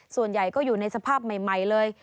ส่วนใหญ่ก็อยู่ในสภาพใหม่เลย